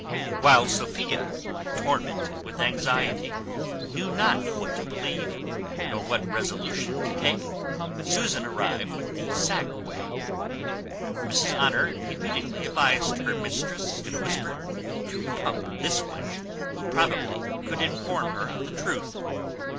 While Sophia, tormented with anxiety, knew not what to believe, nor what resolution to take, Susan arrived with the sack whey. Mrs Honour immediately advised her mistress, in a whisper, to pump this wench, who probably could inform her of the truth.